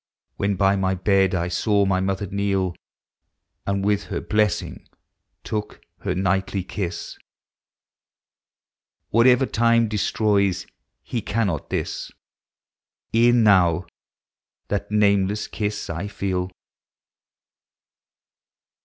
When by my beri I saw my mother kneel. Ami with her blessing took her nightly kiss; Whatever time destroys, lie cannot this; E'en now that nameless kiss I feel.